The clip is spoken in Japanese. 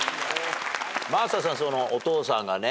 真麻さんお父さんがね